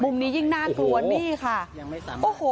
มุมนี้ยิ่งน่ากลัวนี่ค่ะ